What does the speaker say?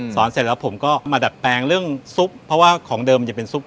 เสร็จแล้วผมก็มาดัดแปลงเรื่องซุปเพราะว่าของเดิมจะเป็นซุป